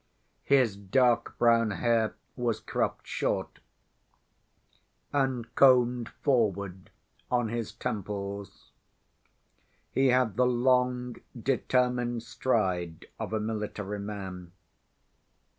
His dark brown hair was cropped short, and combed forward on his temples. He had the long, determined stride of a military man.